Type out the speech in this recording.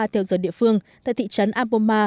theo giờ địa phương tại thị trấn aboma